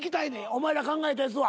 お前ら考えたやつは。